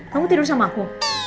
kamu tidur sama aku